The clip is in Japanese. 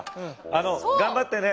あの頑張ってね。